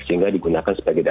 sehingga digunakan sebagai dasar